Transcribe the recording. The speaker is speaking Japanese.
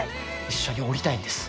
一緒におりたいんです。